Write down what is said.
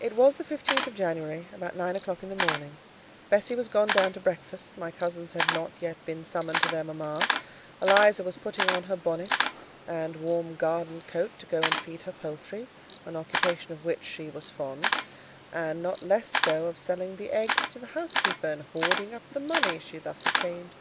It was the fifteenth of January, about nine o'clock in the morning: Bessie was gone down to breakfast; my cousins had not yet been summoned to their mama; Eliza was putting on her bonnet and warm garden coat to go and feed her poultry, an occupation of which she was fond: and not less so of selling the eggs to the housekeeper and hoarding up the money she thus obtained.